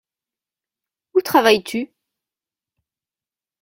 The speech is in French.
Où travailles-tu ?